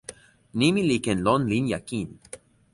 nimi li ken lon linja kin.